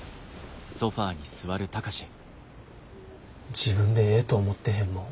自分でええと思ってへんもん